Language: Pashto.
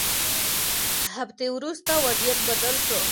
هفتې وروسته وضعیت بدل شو.